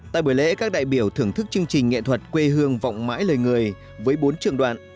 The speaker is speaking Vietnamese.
tại buổi lễ các đại biểu thưởng thức chương trình nghệ thuật quê hương vọng mãi lời người với bốn trường đoạn